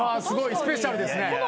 すごいスペシャルですね。